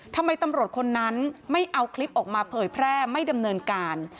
ทำไมตำรวจคนนั้นไม่เอาคลิปออกมาเผยแพร่ไม่ดำเนินการ